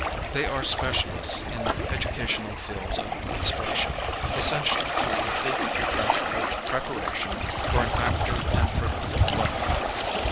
They are specialists in educational fields of instruction essential to a complete and practical preparation for an active and productive life.